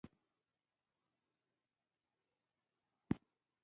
پښتو ته د پام نه ورکول د ژبې لپاره زیان رسوي.